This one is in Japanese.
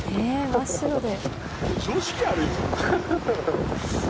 真っ白で」